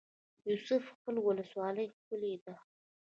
یوسف خیل ولسوالۍ ښکلې ده؟